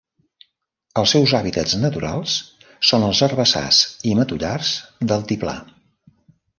Els seus hàbitats naturals són els herbassars i matollars d'altiplà.